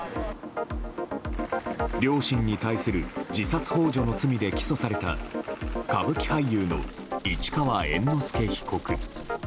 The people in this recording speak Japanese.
両親に対する自殺幇助の罪で起訴された歌舞伎俳優の市川猿之助被告。